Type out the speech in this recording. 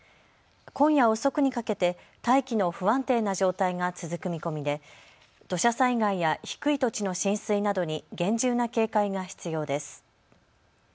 今夜遅くにかけて大気の不安定な状態が続く見込みで土砂災害や低い土地の浸水などに厳重な警戒が必要です。